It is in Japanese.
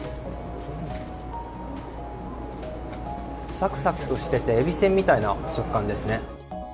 サクサクとしてて、えびせんみたいな食感ですね。